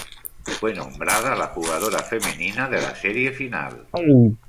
Fue nombrada la "jugadora femenina de la serie final".